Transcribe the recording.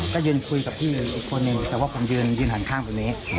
ก็ยืนคุยกับพี่อีกคนหนึ่งแต่ว่าผมยืนหันข้างตรงนี้